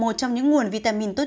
trong những nguồn vitamin tốt